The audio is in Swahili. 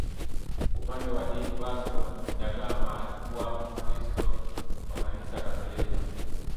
Upande wa diniVasco da Gama alikuwa Mkristo wa Kanisa Katoliki